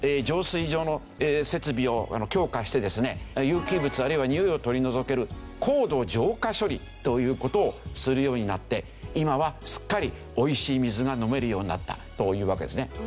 有機物あるいはにおいを取り除ける高度浄化処理という事をするようになって今はすっかり美味しい水が飲めるようになったというわけですね。